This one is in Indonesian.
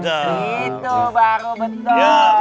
nah itu baru betul